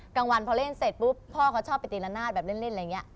กลางวันพอเล่นเสร็จปุ๊บพ่อเขาชอบไปตีละนาดแบบเล่นอะไรอย่างนี้